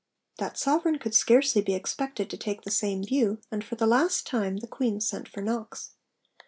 That sovereign could scarcely be expected to take the same view, and for the last time the Queen sent for Knox.